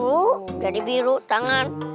oh jadi biru tangan